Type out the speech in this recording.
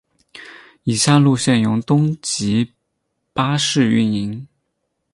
以下路线由东急巴士营运。